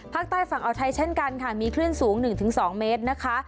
ภาคใต้ฝั่งเอาไทยเช่นกันค่ะมีคลื่นสูงหนึ่งถึงสองเมตรนะคะ